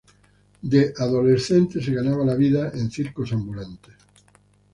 De adolescente se ganaba la vida en circos ambulantes.